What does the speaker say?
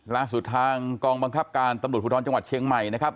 ล่าสุดทางกองบังคับการตำรวจภูทรจังหวัดเชียงใหม่นะครับ